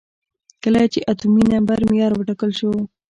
کله چې اتومي نمبر معیار وټاکل شو.